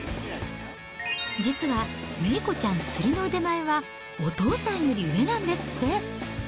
実はめいこちゃん、釣りの腕前はお父さんより上なんですって。